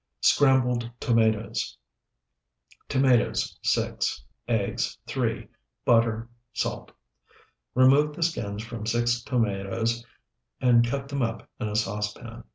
SCRAMBLED TOMATOES Tomatoes, 6. Eggs, 3. Butter. Salt. Remove the skins from six tomatoes and cut them up in a saucepan.